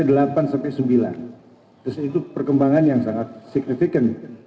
terus itu perkembangan yang sangat signifikan